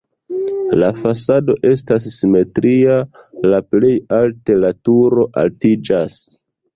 La fasado estas simetria, la plej alte la turo altiĝas.